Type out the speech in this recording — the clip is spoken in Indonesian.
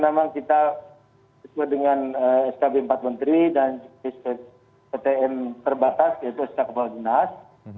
memang kita sesuai dengan skb empat menteri dan ptm terbatas yaitu sk kepala dinas